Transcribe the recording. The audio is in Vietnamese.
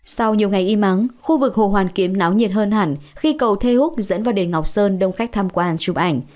sau nhiều ngày im ắng khu vực hồ hoàn kiếm náo nhiệt hơn hẳn khi cầu thê úc dẫn vào đền ngọc sơn đông khách tham quan chụp ảnh